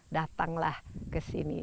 datanglah ke sini